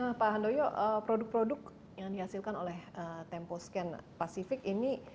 nah pak handoyo produk produk yang dihasilkan oleh temposcan pacific ini